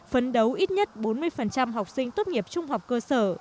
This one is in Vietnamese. phấn đấu ít nhất bốn mươi học sinh tốt nghiệp trung học cơ sở